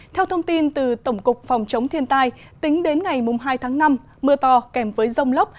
theo thông tin từ tổng cục phòng chống thiên tai tính đến ngày hai tháng năm mưa to kèm với rông lốc